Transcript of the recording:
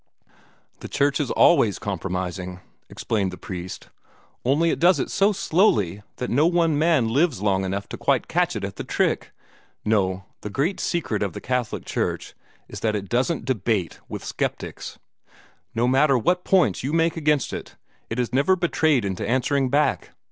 "The Church is always compromising," explained the priest, "only it does it so slowly that no one man lives long enough to quite catch it at the trick. No; the great secret of the Catholic Church is that it doesn't debate with sceptics. No matter what points you make against it, it is never betrayed into answering back.